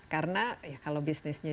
karena kalau bisnisnya